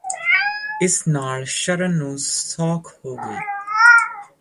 ਇਸ ਨਾਲ ਸ਼ਰਨ ਨੂੰ ਸੋਖ ਹੋ ਗਈ